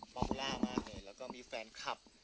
ออร่ามากเลยแล้วก็มีแฟนคลับ